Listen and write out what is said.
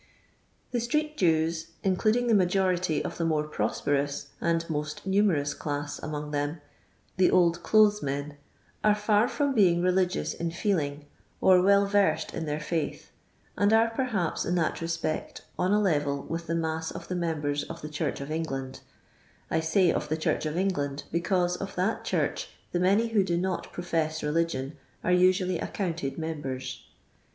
The street Jews, including the nujority of the more prosperous and most numeimu daaa among them, the old clothes men, are fax from bung religious in feeling, or well Tersed in their fiaith, and are, perhaps, in that respect on a loTel with the mass of the members of the Chnrcb of Eng hmd ; I say of the Church of England, becanse of that church the many who do not profess re ligion are usually accounted members.